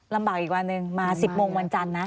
ลำบากอีกวันหนึ่งมา๑๐โมงวันจันทร์นะ